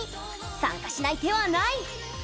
参加しない手はない！